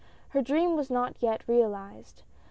Her dream was not yet realized.